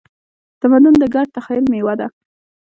تمدن د ګډ تخیل میوه ده.